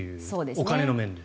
お金の面で。